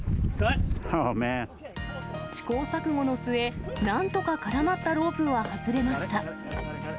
試行錯誤の末、なんとか絡まったロープは外れました。